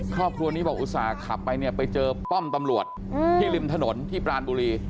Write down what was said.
ครอบครัวนี้บอกอุตส่าห์ขับไปเนี่ยไปเจอป้อมตำรวจที่ริมถนนที่ปรานบุรี